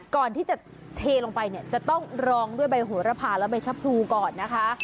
ก่อนที่จะเทลงไปเนี่ยจะต้องรองด้วยใบโหระพาและใบชะพรูก่อนนะคะ